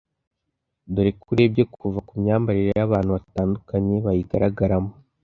dore ko urebye kuva ku myambarire y’abantu batandukanye bayigaragaramo